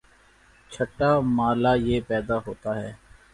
چھٹا مألہ یہ پیدا ہوتا ہے